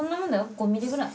５ｍｍぐらい。